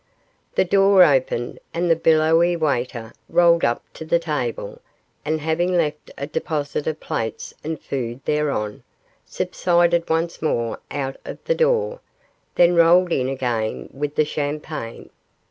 The door opened, and the billowy waiter rolled up to the table, and having left a deposit of plates and food thereon, subsided once more out of the door, then rolled in again with the champagne.